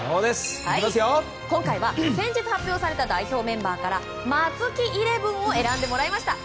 今回は先日発表された代表メンバーから松木イレブンを選んでもらいました。